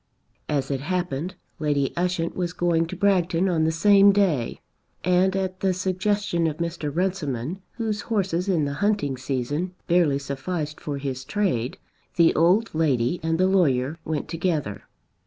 As it happened, Lady Ushant was going to Bragton on the same day, and at the suggestion of Mr. Runciman, whose horses in the hunting season barely sufficed for his trade, the old lady and the lawyer went together.